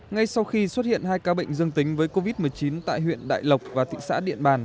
ngay sau khi xuất hiện hai ca bệnh dương tính với covid một mươi chín tại huyện đại lộc và thị xã điện bàn